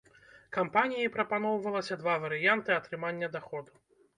Кампаніяй прапаноўвалася два варыянты атрымання даходу.